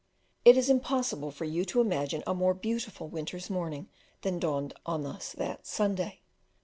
It is impossible for you to imagine a more beautiful winter's morning than dawned on us that Sunday.